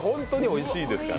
おいしいんですよ。